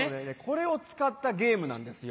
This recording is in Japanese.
これを使ったゲームなんですよ。